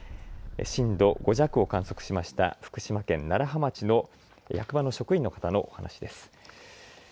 震度５弱を観測しました福島県楢葉町の役場の職員の方のお話です。